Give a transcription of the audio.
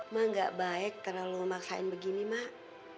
mak nggak baik terlalu maksain begini mak